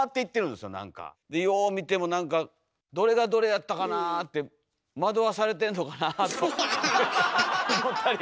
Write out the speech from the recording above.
でよう見ても何か「どれがどれやったかなあ」って「惑わされてんのかな？」と思ったり。